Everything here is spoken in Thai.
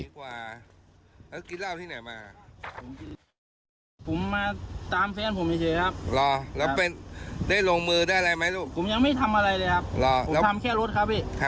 ทำที่ไหนไม่ครับครั้งแรกเลยครับอีก